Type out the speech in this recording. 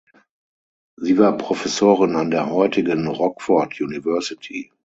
Sie war Professorin an der heutigen Rockford University.